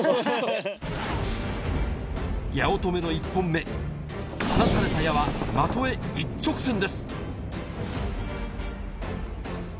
八乙女の１本目、放たれた矢は的へ一直線です。